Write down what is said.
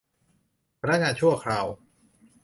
พนักงานชั่วคราว